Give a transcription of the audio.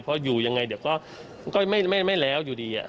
เพราะอยู่อย่างไรก็ไม่แล้วอยู่ดีอ่ะ